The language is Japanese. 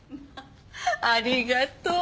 ありがとう。